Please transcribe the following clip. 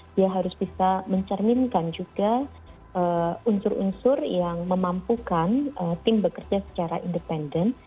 dia harus bisa mencerminkan juga unsur unsur yang memampukan tim bekerja secara independen